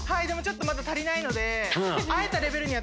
でもちょっとまだ足りないので。